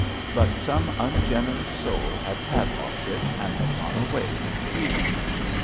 But some ungenerous soul had padlocked it and had gone away with the key.